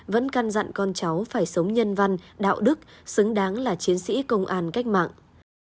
vẫn căn dặn con cháu phải sống nhân văn đạo đức xứng đáng là chiến sĩ công an cách mạng